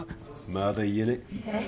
まだ言えねええっ？